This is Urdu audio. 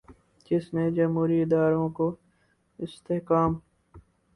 جس نے جمہوری اداروں کو استحکام